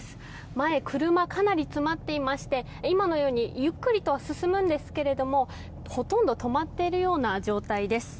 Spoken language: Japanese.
前、車がかなり詰まっていまして今のようにゆっくりと進むんですけどもほとんど止まっているような状態です。